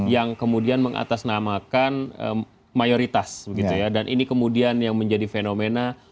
yang kemudian mengatasnamakan mayoritas begitu ya dan ini kemudian yang menjadi fenomena